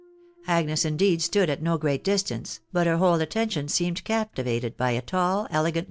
. Agnes indeed stood at no but her whole attention seemed captivated by a tall, ekgstf.